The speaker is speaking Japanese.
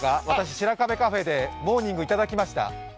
私、白壁カフェでモーニングいただきました。